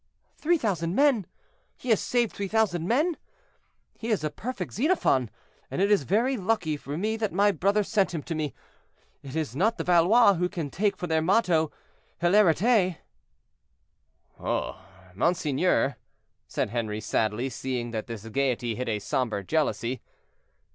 "Three thousand men! he has saved three thousand men! he is a perfect Xenophon, and it is very lucky for me that my brother sent him to me. It is not the Valois who can take for their motto 'Hilariter.'" "Oh! monseigneur," said Henri, sadly, seeing that this gayety hid a somber jealousy.